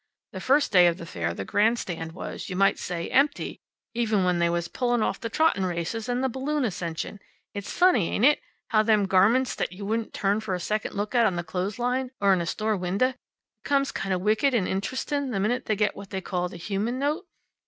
The first day of the fair the grand stand was, you might say, empty, even when they was pullin' off the trottin' races and the balloon ascension. It's funny ain't it? how them garmints that you wouldn't turn for a second look at on the clothesline or in a store winda' becomes kind of wicked and interestin' the minute they get what they call the human note.